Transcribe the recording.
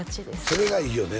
それがいいよね